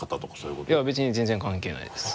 いや別に全然関係ないです。